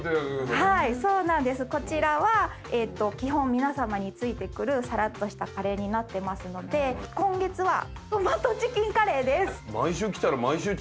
そうなんですこちらは基本皆さまについてくるサラッとしたカレーになってますので今月はトマトチキンカレーです。